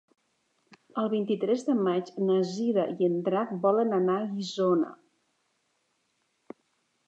El vint-i-tres de maig na Cira i en Drac volen anar a Guissona.